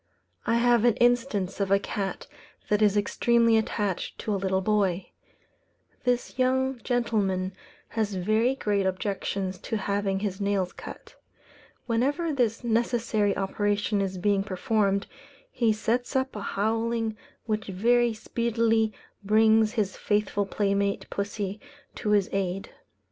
I have an instance of a cat that is extremely attached to a little boy. This young gentleman has very great objections to having his nails cut. Whenever this necessary operation is being performed, he sets up a howling which very speedily brings his faithful playmate pussy to his aid.